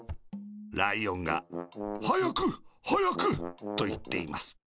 ライオンが「はやくはやく」といっています。